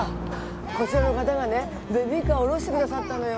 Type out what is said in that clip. こちらの方がねベビーカー下ろしてくださったのよ。